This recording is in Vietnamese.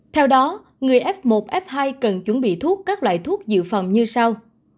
theo đó người f một f hai cần chuẩn bị thuốc các loại thuốc dự phòng như sau